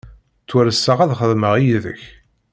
Ttwarseɣ ad xedmeɣ yid-k.